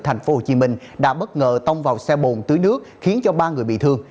thành phố hồ chí minh đã bất ngờ tông vào xe bồn tưới nước khiến cho ba người bị thương